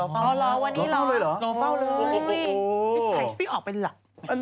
ค์ลัยชิคกี้พายออกไปหลับ